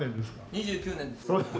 ２９年です。